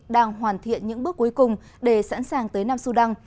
đang hoàn thiện những bước cuối cùng để sẵn sàng tới nam sudan